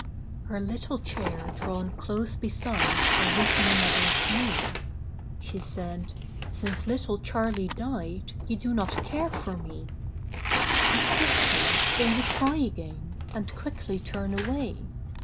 H ER little chair drawn close beside Her weeping Mother's knee, She said, " Since little Charley died You do not care for me ! "You kiss me, then you cry again, And quickly turn away.